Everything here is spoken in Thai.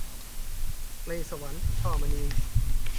เล่ห์สวรรค์ - ช่อมณี